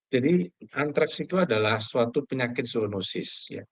jadi antraks itu adalah suatu penyakit zoonosis